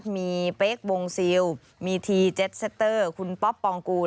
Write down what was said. มีเป๊กวงซิลมีทีเจ็ดเซตเตอร์คุณป๊อปปองกูล